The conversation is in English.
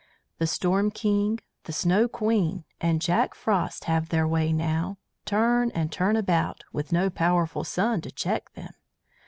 The Storm King, the Snow Queen, and Jack Frost have their way now, turn and turn about, with no powerful sun to check them.